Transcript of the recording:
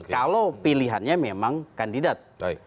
kalau pilihannya memang kandidat